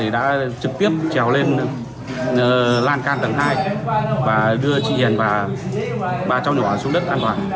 đã trực tiếp trèo lên lan can tầng hai và đưa chị hiền và bà cháu nhỏ xuống đất an toàn